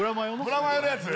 ブラマヨのやつ？